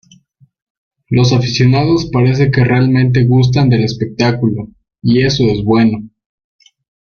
Los aficionados parece que realmente gustan del espectáculo, y eso es bueno.